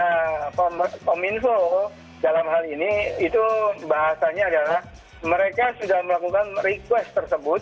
karena kominfo dalam hal ini itu bahasanya adalah mereka sudah melakukan request tersebut